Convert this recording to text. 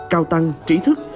cao tăng trí thức